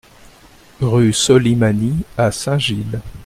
Rue Solimany à Saint-Gilles